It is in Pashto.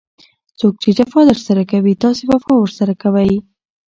څوک چي جفا درسره کوي؛ تاسي وفا ورسره کوئ!